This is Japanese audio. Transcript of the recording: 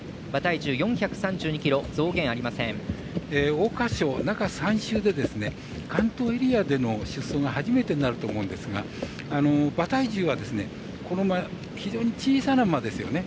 桜花賞、中３週で関東エリアでの出走が初めてになると思うんですが馬体重は、この馬非常に小さな馬ですよね。